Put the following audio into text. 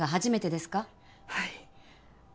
はい。